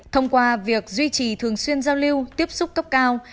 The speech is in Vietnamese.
thông qua việc duy trì thường xuyên giao lưu tiếp xúc cấp cao